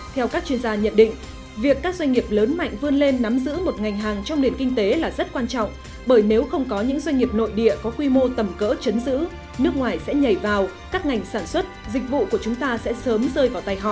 theo các chuyên gia nhận định việc các doanh nghiệp lớn mạnh vươn lên nắm giữ một ngành hàng trong nền kinh tế là rất quan trọng bởi nếu không có những doanh nghiệp nội địa có quy mô tầm cỡ chấn giữ nước ngoài sẽ nhảy vào các ngành sản xuất dịch vụ của chúng ta sẽ sớm rơi vào tay họ